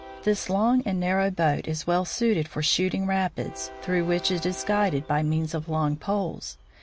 This long and narrow boat is well suited for shooting rapids, through which it is guided by means of long poles.